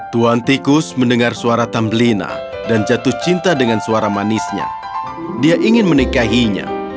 tuan tikus mendengar suara tambelina dan jatuh cinta dengan suara manisnya dia ingin menikahinya